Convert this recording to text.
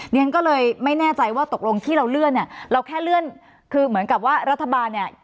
เรียนก็เลยไม่แน่ใจว่าตกลงที่เราเลื่อนเนี่ยเราแค่เลื่อนคือเหมือนกับว่ารัฐบาลเนี่ย